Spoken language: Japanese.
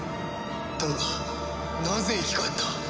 だがなぜ生き返った？